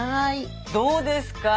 どうですか？